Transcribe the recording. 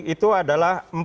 itu adalah empat enam